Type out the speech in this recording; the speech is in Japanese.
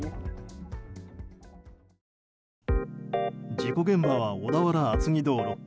事故現場は小田原厚木道路。